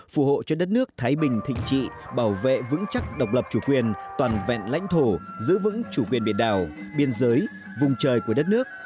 phù hộ cho đất nước thái bình thịnh trị bảo vệ vững chắc độc lập chủ quyền toàn vẹn lãnh thổ giữ vững chủ quyền biển đảo biên giới vùng trời của đất nước